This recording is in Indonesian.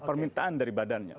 permintaan dari badannya